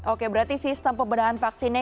oke berarti sistem pembenahan vaksinnya